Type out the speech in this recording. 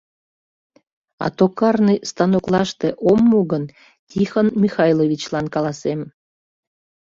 «А токарный станоклаште ом му гын, Тихон Михайловичлан каласем.